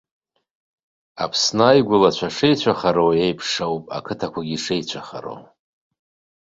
Аԥсны аигәылацәа шеицәыхароу еиԥш ауп ақыҭақәагьы шеицәыхароу.